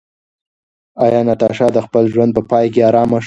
ایا ناتاشا د خپل ژوند په پای کې ارامه شوه؟